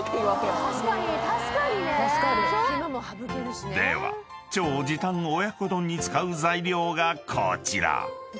［では超時短の親子丼に使う材料がこちら］